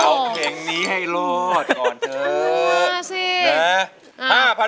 เอาเพลงนี้ให้รอดก่อนเถอะ